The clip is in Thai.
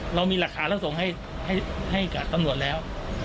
เรามีหลักฐานแล้วส่งให้ให้ให้กับต้นวนแล้ว